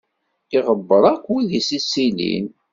Iɣebbeṛ akk wid i s-yettilin.